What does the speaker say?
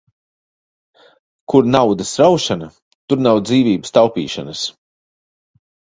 Kur naudas raušana, tur nav dzīvības taupīšanas.